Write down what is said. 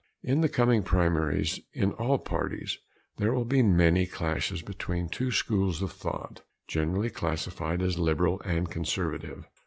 In the coming primaries in all parties, there will be many clashes between two schools of thought, generally classified as liberal and conservative.